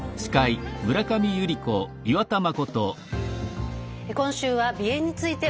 今週は鼻炎についてお伝えしています。